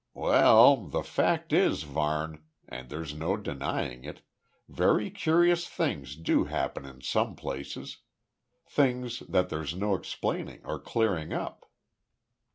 "Well, the fact is, Varne and there's no denying it very curious things do happen in some places. Things that there's no explaining or clearing up."